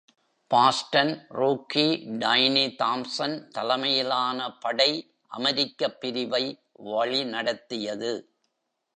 Boston, rookie tiny Thompson தலைமையிலான படை அமெரிக்கப் பிரிவை வழிநடத்தியது.